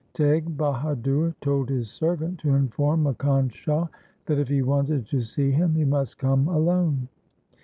Teg Bahadur told his servant to inform Makkhan Shah that if he wanted to see him he must come alone.